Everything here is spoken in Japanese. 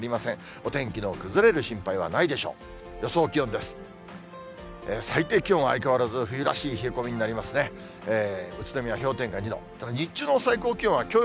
お天気の崩れる心配はないでしょう。